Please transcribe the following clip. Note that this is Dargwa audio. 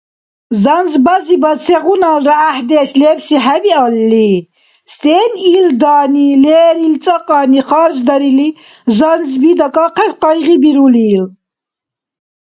Занзбазибад сегъуналра гӀяхӀдеш лебси хӀебиалли, сен илдани, лерил цӀакьани харждарили, занзби дакӀахъес къайгъибирули?